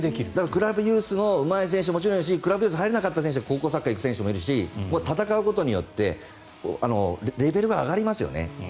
クラブユースにもうまい選手はいるしクラブユースに入れなかった選手は高校サッカーに行く選手もいるし戦うことでレベルが上がりますよね。